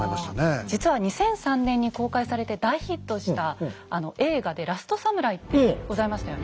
実は２００３年に公開されて大ヒットした映画で「ラストサムライ」ってございましたよね。